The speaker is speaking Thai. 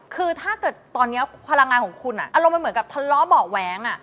คือถ้าเกิดตอนนี้พลังงานของคุณอารมณ์มันเหมือนกับทะเลาะเบาะแว้ง